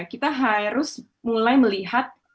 kita harus mulai melihat